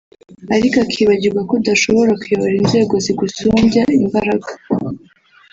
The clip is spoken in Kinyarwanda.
ariko akibagirwa ko udashobora kuyobora inzego zigusumbya imbaraga